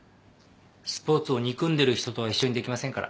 スポーツを憎んでる人とは一緒にできませんから。